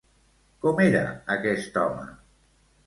Com era aquest home?